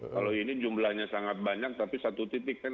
kalau ini jumlahnya sangat banyak tapi satu titik kan